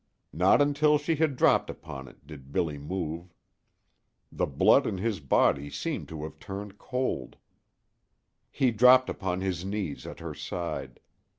Not until she had dropped upon it did Billy move. The blood in his body seemed to have turned cold. Be dropped upon his knees at her side.